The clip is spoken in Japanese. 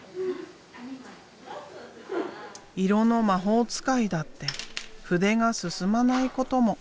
色の魔法使いだって筆が進まないことも。